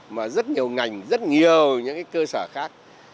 mà rất nhiều ngành rất nhiều những cơ sở khác